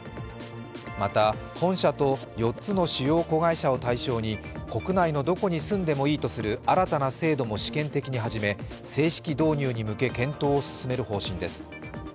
また本社と４つの主要子会社を対象に国内のどこに住んでもいいという新たな制度も試験的に始め正式導入に向け検討を進める方針です。